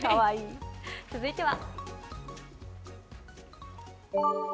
続いては。